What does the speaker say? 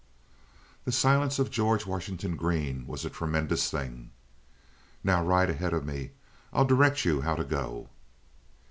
The silence of George Washington Green was a tremendous thing. "Now ride ahead of me. I'll direct you how to go."